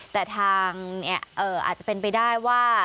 แต่ทางเนี่ยเอ่ออาจจะเป็นไปได้ว่า